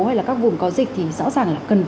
hay là các vùng có dịch thì rõ ràng là cần